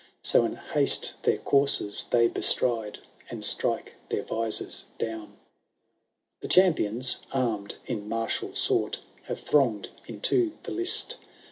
So in haste their coursers they bestride. And strike their visors down. XVIII. The champions, arm*d in martial sort, Have thronged into the list.